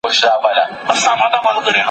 پلار به خپل زوی ونه غولوي.